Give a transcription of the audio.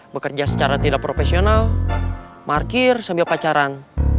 bekerja secara tidak profesional parkir sambil pacaran